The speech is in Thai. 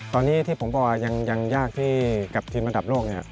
ตอนนี้ที่ผมบอกยังยากทีมระดับโลก